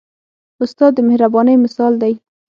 استاد د مهربانۍ مثال دی.